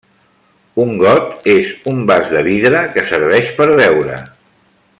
Un got és un vas de vidre que serveix per beure.